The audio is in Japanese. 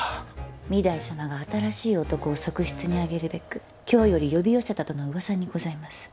御台様が新しい男を側室に上げるべく京より呼び寄せたとの噂にございます。